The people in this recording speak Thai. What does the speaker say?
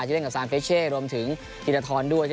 ที่เล่นกับซานเฟทเช่รวมถึงฮิลลาทอลด้วย